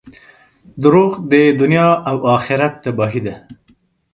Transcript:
• دروغ د دنیا او آخرت تباهي ده.